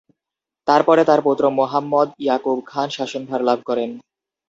তার পরে তার পুত্র মুহাম্মদ ইয়াকুব খান শাসনভার লাভ করেন।